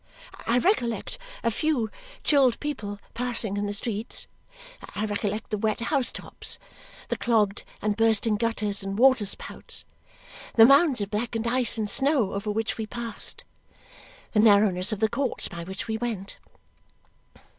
I recollect a few chilled people passing in the streets. I recollect the wet house tops, the clogged and bursting gutters and water spouts, the mounds of blackened ice and snow over which we passed, the narrowness of the courts by which we went.